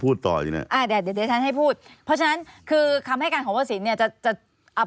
เพราะฉะนั้นคำให้การของว่าศิลป์